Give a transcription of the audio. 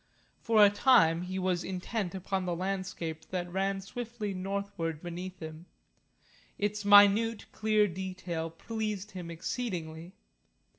For a time he was intent upon the landscape that ran swiftly northward beneath him. Its minute, clear detail pleased him exceedingly.